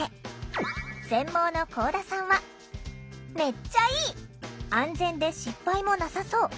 全盲のこうださんは「めっちゃいい！安全で失敗もなさそう。